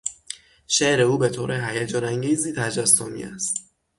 شعر او به طور هیجانانگیزی تجسمی است.